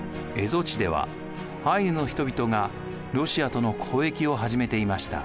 蝦夷地ではアイヌの人々がロシアとの交易を始めていました。